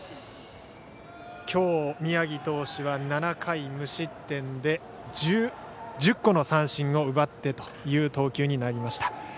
きょう宮城投手は７回無失点で１０個の三振を奪ってという投球になりました。